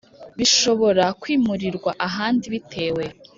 Bishobora kwimurirwa ahandi bitewe